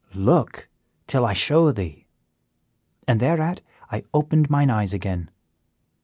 'Look, till I show thee.' And thereat I opened mine eyes again."